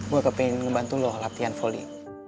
gue kepengen ngebantu lo latihan foley